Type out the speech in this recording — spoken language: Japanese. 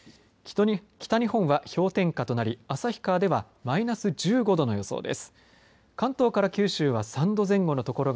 北日本は氷点下となり旭川ではマイナス１５度の予想です。